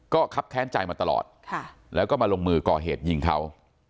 ครับแค้นใจมาตลอดแล้วก็มาลงมือก่อเหตุยิงเขา